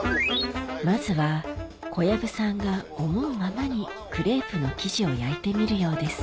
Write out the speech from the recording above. まずは小籔さんが思うままにクレープの生地を焼いてみるようです